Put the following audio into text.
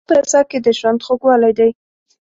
د الله په رضا کې د ژوند خوږوالی دی.